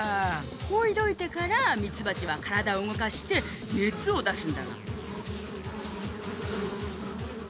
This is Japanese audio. ほいどいてからミツバチはからだをうごかしてねつをだすんだがん。